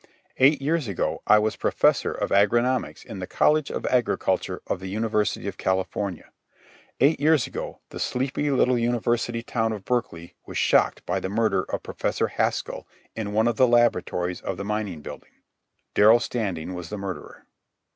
Eight years ago I was Professor of Agronomics in the College of Agriculture of the University of California. Eight years ago the sleepy little university town of Berkeley was shocked by the murder of Professor Haskell in one of the laboratories of the Mining Building. Darrell Standing was the murderer.